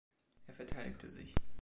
Er verteidigte sich.